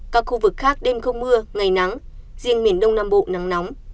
các khu vực khác đêm không mưa ngày nắng riêng miền đông nam bộ nắng nóng